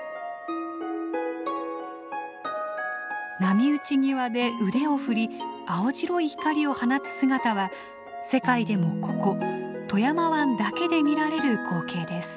波打ち際で腕を振り青白い光を放つ姿は世界でもここ富山湾だけで見られる光景です。